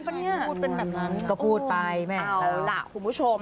คนพูดเป็นบางอย่างนั้นคือพูดไปแม่งเราเอาล่ะคุณผู้ชม